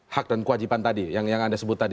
hak dan kewajiban tadi yang anda sebut tadi